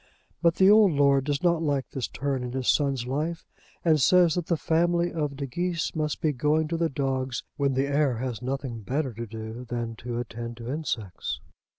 But the old lord does not like this turn in his son's life, and says that the family of De Geese must be going to the dogs when the heir has nothing better to do than to attend to insects.